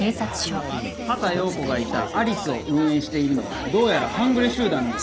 畑葉子がいたＡＬＩＣＥを運営しているのはどうやら半グレ集団の。